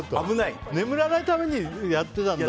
眠らないためにやってたんだ。